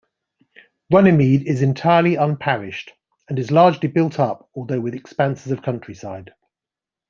Runnymede is entirely unparished and is largely built-up, although with expanses of countryside.